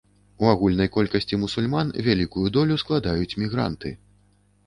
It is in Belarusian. У агульнай колькасці мусульман вялікую долю складаюць мігранты.